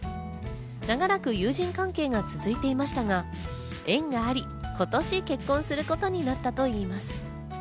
長らく友人関係が続いていましたが、縁があり、今年、結婚することになったといいます。